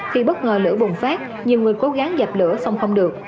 khi bất ngờ lửa bùng phát nhiều người cố gắng dập lửa xong không được